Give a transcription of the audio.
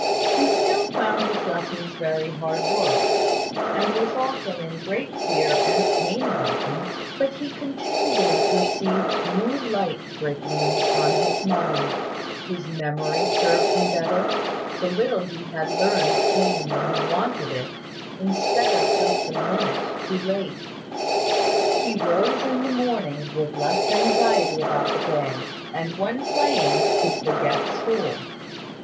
He still found his lessons very hard work, and was often in great fear and pain about them, but he continually perceived new light breaking in upon his mind: his memory served him better; the little he had learned came when he wanted it, instead of just a minute too late. He rose in the morning with less anxiety about the day: and when playing, could forget school.